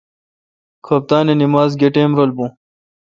کھپتان اے نمز گہ ٹیم بون